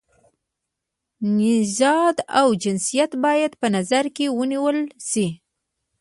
نژاد او جنسیت باید په نظر کې ونه نیول شي.